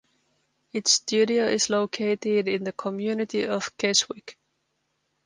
Its studio is located in the community of Keswick.